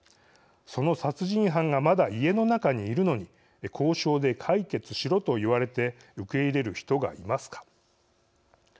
その殺人犯がまだ家の中にいるのに交渉で解決しろと言われて受け入れる人がいますか」。